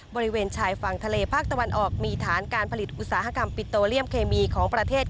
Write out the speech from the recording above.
บริเวณชายฝั่งทะเลภาคตะวันออกมีฐานการผลิตอุตสาหกรรมปิโตเลียมเคมีของประเทศ